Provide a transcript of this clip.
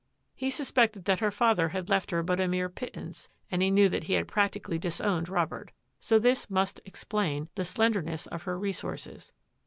He suspected that her father had left her but a mere pittance, and he knew that he had practically disowned Robert, so this must ex plain the slendemess of her resources.